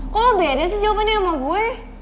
kalau beda sih jawabannya sama gue